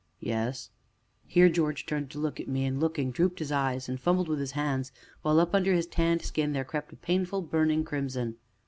"Yes." Here George turned to look at me, and, looking, dropped his eyes and fumbled with his hands, while up under his tanned skin there crept a painful, burning crimson.